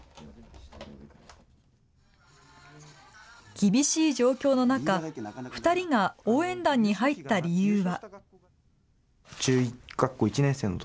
厳しい状況の中、２人が応援団に入った理由は。